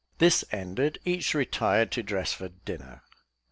This ended, each retired to dress for dinner.